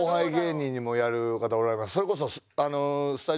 それこそ。